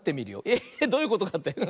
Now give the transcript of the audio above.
えどういうことかって？